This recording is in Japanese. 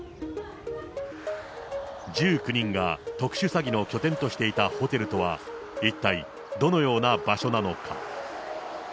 １９人が特殊詐欺の拠点としていたホテルとは、一体どのような場所なのか。